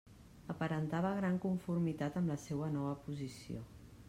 Aparentava gran conformitat amb la seua nova posició.